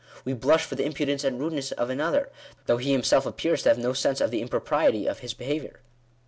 " We hlush for the impu dence and rudeness of another, though he himself appears to have no sense of the impropriety of his behaviour."